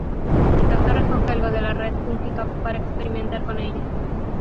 El Doctor recoge algo de la red fúngica para experimentar con ella.